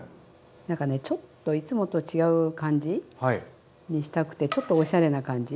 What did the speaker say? なんかねちょっといつもと違う感じにしたくてちょっとおしゃれな感じ。